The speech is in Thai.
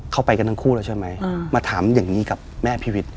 ไปกันทั้งคู่แล้วใช่ไหมมาถามอย่างนี้กับแม่พีวิทย์